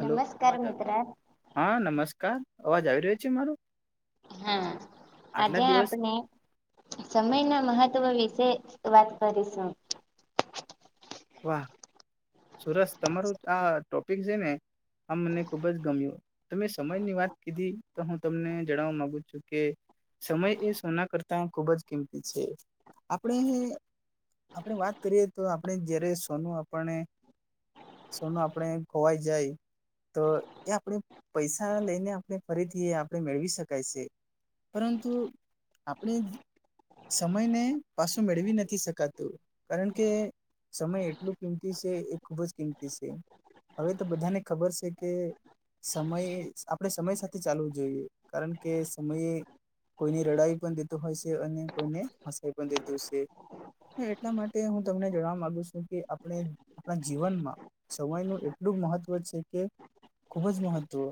Hello અવાજ મિત્ર હા નમસ્કાર અવાજ આવી રહ્યો છે મારો હા આજે આટલા દિવસ આપણે સમય ના મહત્વ વિશે વાત કરીશું વાહ સુરસ તમારું આ ટોપિક છે ને આ મને ખુબ જ ગમ્યું તમે સમયની વાત કીધી તો હું તમને જણાવવા માંગુ છું કે સમય એ સોના ખૂબ જ કિંમતી છે આપણે આપણે વાત કરીએ તો આપણે જયારે સોનું આપને સોનું આપણેે ખોવાઈ જાય તો એ આપણે પૈસા લઈને આપણે ફરીથી આપણે મેળવી શકાય છે પરંતુ આપણે સમય ને પાછું મેળવી નથી શકાતું કારણ કે સમય એટલું કિંમતી છે એ ખૂબ જ કિંમતી છે હવે તો બધાને ખબર છે કે સમય આપણેે સમય સાથે ચાલવું જોઈએ કારણ કે સમયે કોઈની રડાઈ પણ દેતું હોય છે અને કોઈને હસાઈ પણ દેતું છે હા એટલા માટે હું તમને જણાવ માંગુ છું કે આપણે આપણા જીવનમાં સમય નું એટલું મહત્વ છે કે ખૂબ જ મહત્ત્વ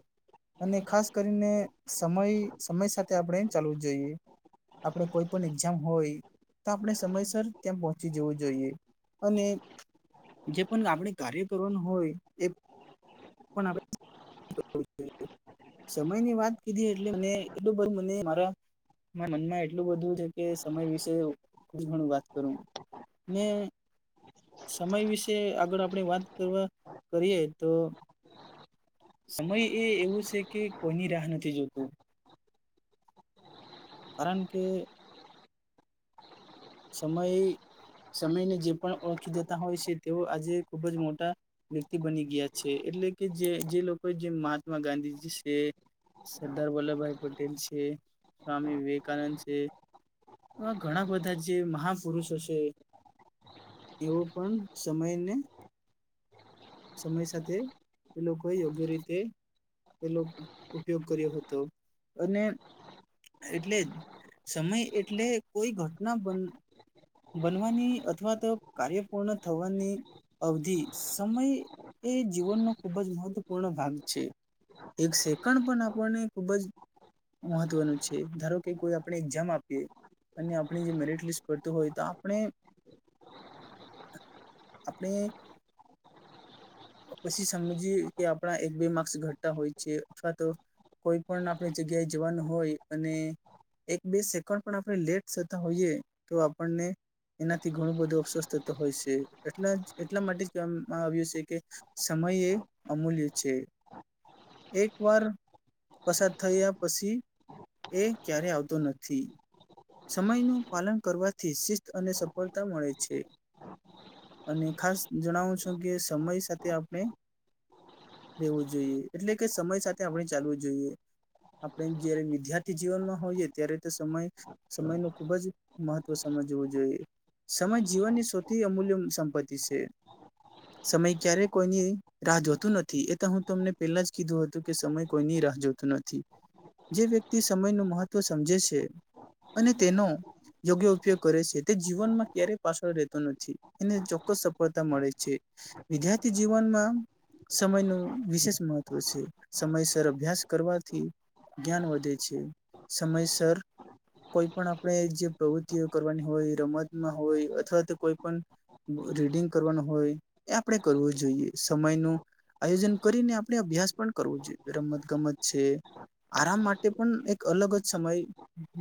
અને ખાસ કરીને સમય સમય સાથે આપણે એમ ચાલવું જોઈએ આપણે કોઈ પણ એક્ઝામ હોય તો આપણે સમયસર ત્યાં પહોંચી જવું જોઈએ અને જે પણ આપણે કાર્ય કરવાનું હોય એ પણ આપણે [unintelligible] સમય ની વાત કીધી એટલે મે કીધું મને મારા મનમાં એટલું બધું છે કે સમય વિશે ખુબ ઘણું વાત કરું ને સમય વિશે આગળ આપણેે વાત કરવા કરીએ તો સમય એ એવું છે કે કોઈની રાહ નથી જોતું કારણ કે સમય સમયને જે પણ ઓળખી જતા હોય છે તેઓ આજે ખુબ જ મોટા વ્યક્તિ બની ગયા છે એટલે કે જે જે લોકો જે મહાત્મા ગાંધીજી છે સરદાર વલ્લભભાઈ પટેલ છે, સ્વામી વિવેકાનંદ છે આવા ઘણા બધા જ જે મહાપુરુષો છે એઓ પણ સમયને સમય સાથે એ લોકોએ યોગ્ય રીતે પેલો ઉપયોગ કર્યો હતો અને એટલે સમય એટલે કોઈ ઘટના બન બનવાની અથવા તો કાર્ય પૂર્ણ થવાની અવધિ સમય એ જીવનનો ખૂબ જ મહત્વપૂર્ણ ભાગ છે. એક સેકન્ડ પણ આપણને ખૂબ જ મહત્વનું છે. ધારો કે કોઈ આપણે એઝામ આપીએ અને આપણે જે મેરીટ લીસ્ટ પડતુ હોય તો આપણે આપણે પછી સમજીએ કે આપણા એક બે માર્ક્સ ઘટતા હોય છે અથવા તો કોઈ પણ આપણે જગ્યાએ જવાનું હોય અને એક બે સેકન્ડ પણ આપણે લેટ થતા હોઈએ તો આપણને એનાથી ઘણું બધો અફસોસ થતો હોય છે એટલા એટલા માટે જ કહેવામાં આવ્યું છે કે સમય એ અમૂલ્ય છે. એક વાર પસાર થયા પછી એ ક્યારેય આવતો નથી. સમયનું પાલન કરવાથી શિસ્ત અને સફળતા મળે છે. અને ખાસ જણાવું છું કે સમય સાથે આપણે રહેેવું જોઈએ એટલે કે સમય સાથે આપણે ચાલવું જોઈએ. આપણે જયારે વિદ્યાર્થી જીવનમાં હોઈએ ત્યારે તો સમય સમય નુ ખૂબ જ મહત્વ સમજવું જોઈએ. સમય જીવનની સૌથી અમૂલ્ય સંપત્તિ છે. સમય ક્યારેય કોઈની રાહ જોતું નથી, એ તો હું તમને પેલા જ કીધું હતું કે સમય કોઈની રાહ જોતો. નથી. જે વ્યક્તિ સમય નો મહત્વ સમજે છે અને તેનો યોગ્ય ઉપયોગ કરે છે, તે જીવનમાં ક્યારેય પાછળ રહેતો નથી. એને ચોક્કસ સફળતા મળે છે. વિદ્યાર્થી જીવનમાં સમય નુ વિશેષ મહત્વ છે. સમયસર અભ્યાસ કરવાથી જ્ઞાન વધે છે. સમયસર કોઈ પણ આપણે જે પ્રવૃત્તિઓ કરવાની હોય રમતમાં હોય અથવા તો કોઈ પણ રીડિંગ કરવાનું હોય એ આપણે કરવું જોઈએ. સમયનું આયોજન કરીને આપણે અભ્યાસ પણ કરવો જોઈએ, રમત ગમત છે આરામ માટે પણ એક અલગ જ સમય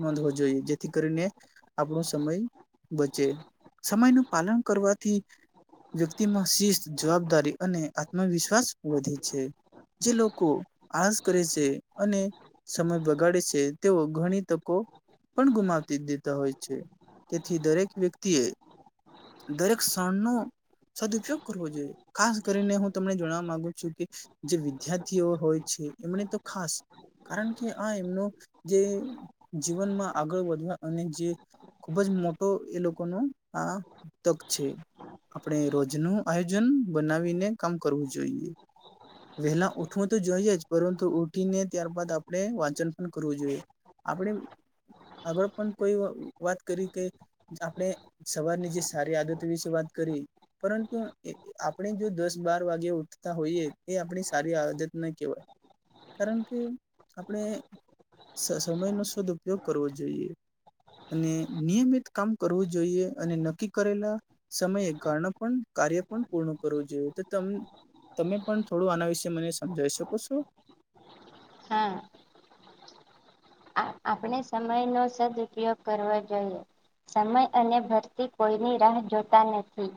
નોંધવો જોઈએ જેથી કરીને આપણો સમય બચે. સમય નું પાલન કરવાથી વ્યક્તિમાં શિસ્ત, જવાબદારી અને આત્મવિશ્વાસ વધે છે. જે લોકો આળસ કરે છે અને સમય બગાડે છે તેઓ ઘણી તકો પણ ગુમાવી દીધી. હોય છે. તેથી દરેક વ્યક્તિએ દરેક ક્ષણનો સદઉપયોગ કરવો જોઈએ. ખાસ કરીને હું તમને જાણવા માગુ છું કે જે વિદ્યાર્થીઓ હોય છે એમણે તો ખાસ કારણ કે આ એમનું જે જીવનમાં આગળ વધવા અને જે ખુબ જ મોટો એ લોકોનો આ તક છે આપણે રોજ નું આયોજન બનાવીને કામ કરવું જોઈએ. વહેલા ઉઠવું તો જોઈએ જ પરંતુ ઉઠીને ત્યાર બાદ આપણે વાંચન પણ કરવું જોઈએ. આપણે આગળ પણ કોઈ વાત કરી કે આપણે સવારની જે સારી આદતો વિશે વાત કરી પરંતુ એ આપણે જો દસ બાર વાગે ઉઠતા હોઈએ એ આપણી સારી આદત ન કેવાય કારણ કે આપણે સમય નો સદઉપયોગ કરવો જોઈએ. અને નિયમિત કામ કરવું જોઈએ અને નક્કી કરેલા સમયે ઘાણા પણ કાર્ય પણ પૂર્ણ કરવું જોઈએ તો ત તમે પણ થોડું આના વિશેે મને સમજાવી શકો છો. હા. આ આપણે સમય નો સદઉપયોગ કરવા જોઈએ. સમય અને ભરતી કોઈની રાહ જોતા નથી.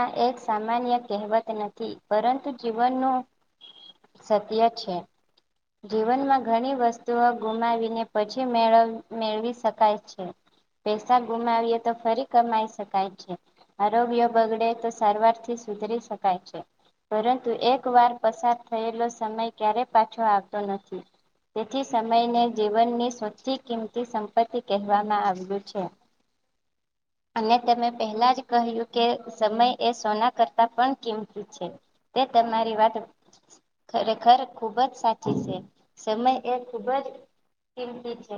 આ એક સામાન્ય કેહવત નથી પરંતુ જીવનનું સત્ય છે જીવનમાં ઘણી વસ્તુઓ ગુમાવી ને પછી મેળવ મેળવી શકાય છે. પૈસા ગુમાવીએ તો ફરી કમાઈ છે. આરોગ્ય બગડે તો સારવાર થી સુધરી શકાય છે. પરંતુ એક વાર પસાર થયેલો સમય પછી ક્યારેય પાછો આવતો નથી. તેથી સમયને જીવનની સવથી કિંમતી સંપત્તિ કહેવામાં આવ્યું છે. અને તેમે પહેલા જ કહ્યું કે સમય એ સોના કરતા પણ કિંમતી છે તે તમારી વાટ ખરેખર ખૂબ જ સાચી છે સમય એ ખૂબ જ કિમતી છે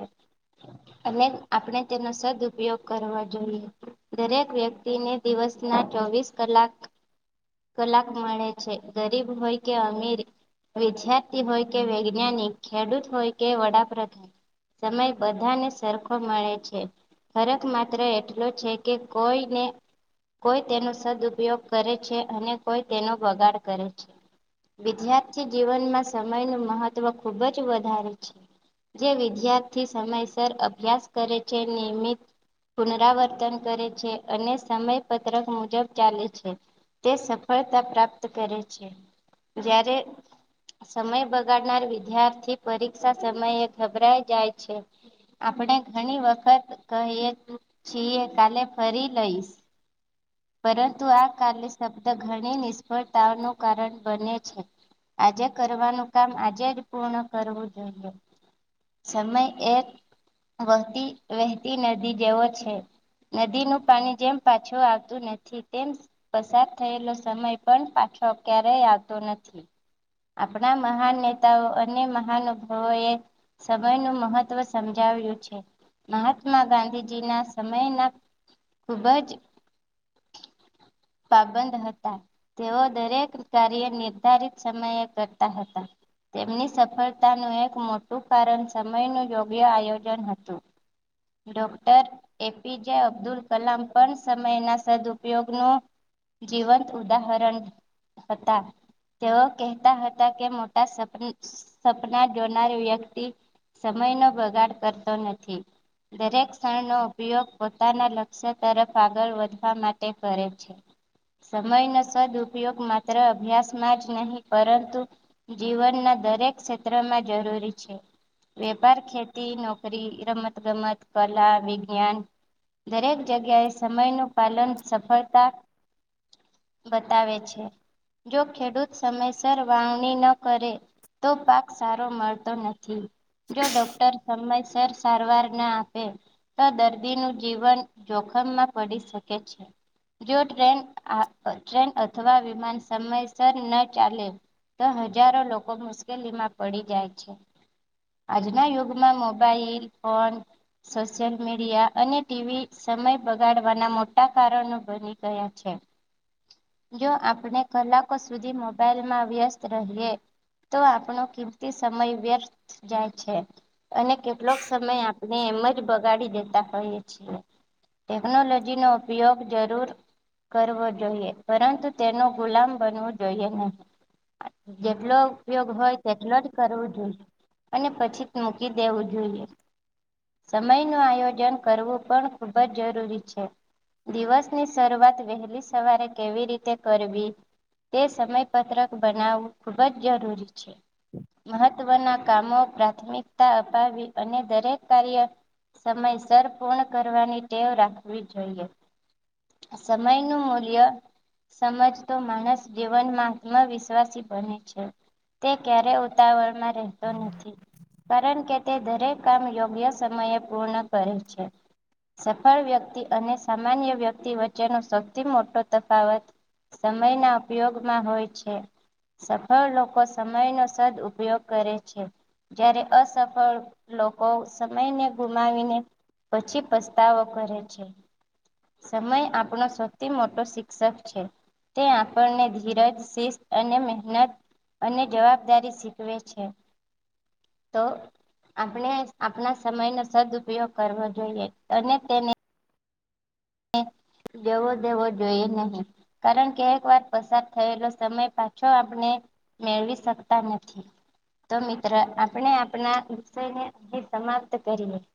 અને આપણે તેનો સદ ઉપયોગ કરવો જોઈએ દરેક વ્યક્તિને દિવસ ના ચોવીસ કલાક કલાક મળે છે ગરીબ હોય કે અમીર વિદ્યાર્થી હોય કે વૈજ્ઞાનિક ખેડૂત હોય કે વડાપ્ર સમય બધાને સરખો મળે છે ફરક માત્ર એટલો છે કે કોઈને કોઈ તેનો સદઉપયોગ કરે છે અને કોઈ તેનો બગાડ કરે છે વિદ્યાર્થી જીવનમાં સમયનું મહત્ત્વ ખૂબ જ વધારે છે જે વિદ્યાર્થી સમયસર અભ્યાસ કરે છે નિયમિત પુનરાવર્તન કરે છે અને સમયપત્રક મુજબ ચાલે છે તે સફળતા પ્રાપ્ત કરે છે જ્યારે સમય બગાડનાર વિદ્યાર્થી પરીક્ષા સમયે ઘબરાઈ જાય છે આપણે ઘણી વખત કહીએ છીએ કાલે ફરી લઈશ પરંતુ આ કાલે શબ્દ ઘણી નિષ્ફળતાઓનું કારણ બને છે આજે કરવાનું કામ આજે જ પૂર્ણ કરવું જોઈએ સમય એક વહતી વેહતી નદી જેવો છે નદીનું પાણી જેમ પાછું આવતું નથી તેમ પસાર થયેલો સમય પણ પાછો ક્યારેય આવતો નથી આપણા મહાન નેતાઓ અને મહાનુભાવો એ સમયનું મહત્વ સમજાવ્યું છે મહાત્મા ગાંધીજી ના સમયના ખુબ જ [inaudible] પબંધ હતા તેઓ દરેક કાર્ય નિર્ધારિત સમયે કરતા હતા તેમની સફળતાનું એક મોટું કારણ સમયનું યોગ્ય આયોજન હતું ડોક્ટર એપીજ અબ્દુલ કલામ પણ સમય ના સદઉપયોગ નો જીવંત ઉદાહરણ હતા તેઓ કહેતા હતા કે મોટા સપ સપના જોનારી વ્યક્તિ સમય નો કરતો દરેક ક્ષણનો ઉપયોગ પોતાના લક્ષ્ય તરફ આગળ વધવા માટે કરે સમય નો સદઉપયોગ માત્ર અભ્યાસમાં જ નહી પરંતુ જીવનના દરેક ક્ષેત્રમાં જરૂરી વેપાર ખેતી નોકરી રમત ગમત કલા વિજ્ઞાન દરેક જગ્યાએ સમયનું પાલન સફળતા બતાવે છે જો ખેડૂત સમયસર વાવણી ન કરે તો પાક સારો મળતો નથી જો ડોક્ટર સમયસર સારવાર ન આપે તો દર્દીનું જીવન જોખમમાં પડી શકે છે જો ટ્રેન ટ્રેન અથવા વિમાન સમયસર ન ચાલે તો હજારો લોકો મુશ્કેલીમાં પડી જાય છે આજના યુગમાં મોબાઈલ ફોન સોશિયલ મીડિયા અને ટીવી સમય બગાડવાના મોટા કારણો છે. [inaudible] જો આપણે કલાકો સુધી મોબાઈલમાં વ્યસ્ત રહીએ. તો આપણો કિંમતી સમય વ્યર્થ જાય છે અને કેટલોક સમય આપણે એમ જ બગાડી દેતા હોઈએ ટેકનોલોજી નો ઉપયોગ જરૂર કરવો જોઈએ પરંતુ તેનો ગુલામ બનવું જોઈએ નહી. જેટલો ઉપયોગ હોય તેટલો જ કરવો જોઈએ. અને પછી જ મૂકી દેવું જોઈએ. સમયનું આયોજન કરવું પણ ખૂબ જ જરૂરી છે. દિવસની શરૂઆત વહેલી સવારે કેવી રીતે કરવી તે સમય પત્રક બનાવવું ખુબ જ જરૂરી છે મહત્વના કામો પ્રાથમિકતા અપાવી અને દરેક કાર્ય સમયસર પૂર્ણ કરવાની ટેવ રાખવી જોઈએ. આ સમયનું મૂલ્ય સમજતો માણસ જીવનમાં આત્મવિશ્વાસી બને છે. તે ક્યારે ઉતાવળમાં રહે તો નથી કારણ કે તે દરેક કામ યોગ્ય સમયે પૂર્ણ કરે છે. સફળ વ્યક્તિ અને સામાન્ય વ્યક્તિ વચ્ચેનો સૌથી મોટો તફાવત સમયના ઉપયોગમાં હોય છે. સફળ લોકો સમયનો સદ ઉપયોગ કરે છે જ્યારે અસફળ લોકો સમયને ગુમાવીને પછી પસ્તાવો કરે છે. સમય આપણો સૌથી મોટો શિક્ષક છે. તે આપણને ધીરજ શિસ્ત અને મહેનત અને જવાબદારી શીખવે છે. તો આપણે આપણા સમય નો સદ ઉપપયોગ કરવો જોઈએ અને તેને જવો દેવો જોઈએ નહીં. કારણ કે એકવાર પસાર થયેલો સમય પાછો આપને. મેળવી શકતા નથી. તો મિત્ર આપણે આપણાં વિષયને સમાપ્ત કરીએ.